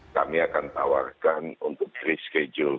kami akan tawarkan untuk free schedule